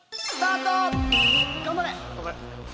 頑張れ！